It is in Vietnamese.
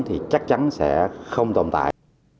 thì chắc chắn sẽ không tồn tại